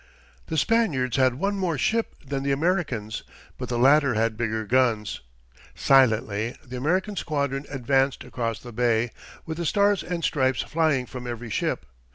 The Spaniards had one more ship than the Americans, but the latter had bigger guns. Silently the American squadron advanced across the bay, with the Stars and Stripes flying from every ship.